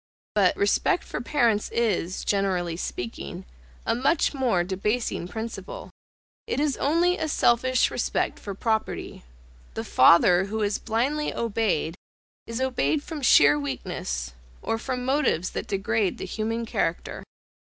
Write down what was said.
But, respect for parents is, generally speaking, a much more debasing principle; it is only a selfish respect for property. The father who is blindly obeyed, is obeyed from sheer weakness, or from motives that degrade the human character.